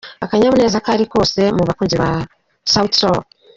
Akanyamuneza kari kose mu bakunzi ba Sauti Sol.